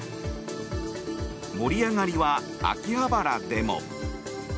盛り上がりは秋葉原でも。